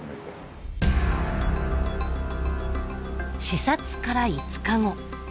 視察から５日後。